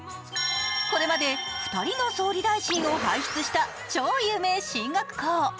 これまで２人の総理大臣を輩出した超有名進学校。